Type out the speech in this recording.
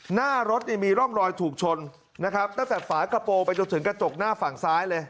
หน้ารถเนี่ยมีร่องรอยถูกชนนะครับตั้งแต่ฝากระโปรงไปจนถึงกระจกหน้าฝั่งซ้ายเลย